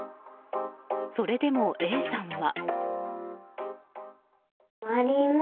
それでもＡさんは。